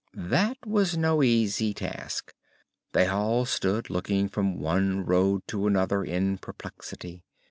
That was no easy task. They all stood looking from one road to another in perplexity.